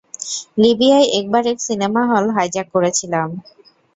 লিবিয়ায় একবার এক cinema hall hijack করেছিলাম।